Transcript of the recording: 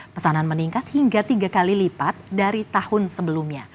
pesanan meningkat hingga tiga kali lipat dari tahun sebelumnya